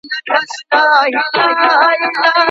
د هلکانو لیلیه له اجازې پرته نه کارول کیږي.